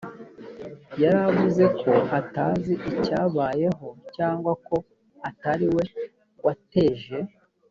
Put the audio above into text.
yaravuze ko atazi icyabayeho cyangwa ko atari we wateje